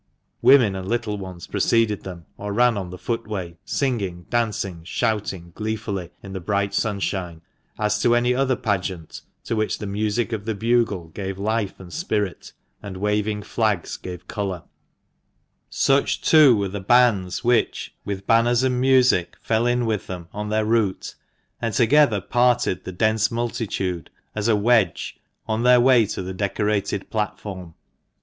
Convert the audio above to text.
Women and little ones preceded them, or ran on the footway, singing, dancing, shouting gleefully in the bright sunshine, as at any other pageant to which the music of the bugle gave life and spirit, and waving flags gave colour. SAMUEL BAMFORD. From a Photograph. THE MANCHESTER MAN. 177 Such, too, were the bands which, with banners and music, fell in with them on their route, and together parted the dense multitude as a wedge, on their way to the decorated platform.